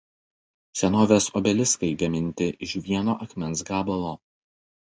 Senovės obeliskai gaminti iš vieno akmens gabalo.